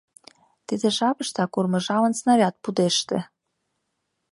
Тиде жапыштак урмыжалын снаряд пудеште.